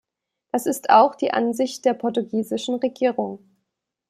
Das ist auch die Ansicht der portugiesischen Regierung.